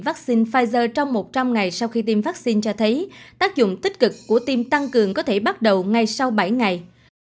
vaccine pfizer trong một trăm linh ngày sau khi tiêm vaccine cho thấy tác dụng tích cực của tiêm tăng cường có thể bắt đầu ngay sau bảy ngày